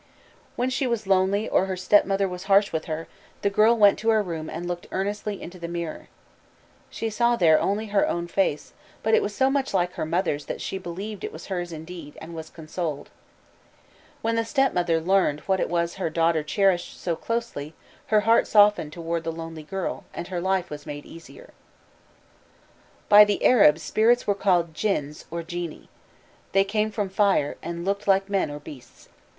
When she was lonely or her stepmother was harsh with her, the girl went to her room and looked earnestly into the mirror. She saw there only her own face, but it was so much like her mother's that she believed it was hers indeed, and was consoled. When the stepmother learned what it was her daughter cherished so closely, her heart softened toward the lonely girl, and her life was made easier. By the Arabs spirits were called Djinns (or genii). They came from fire, and looked like men or beasts.